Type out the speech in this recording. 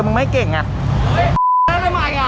แม่งไม่เก่งหรอก